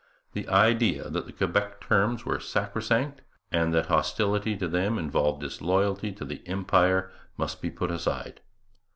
The idea that the Quebec terms were sacrosanct, and that hostility to them involved disloyalty to the Empire, must be put aside.